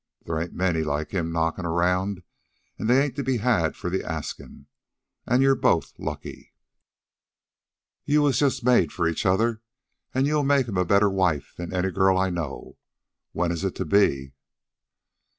There ain't many like him knockin' 'round, an' they ain't to be had for the askin'. An' you're both lucky. You was just made for each other, an' you'll make him a better wife than any girl I know. When is it to be?"